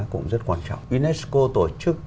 cũng rất quan trọng unesco tổ chức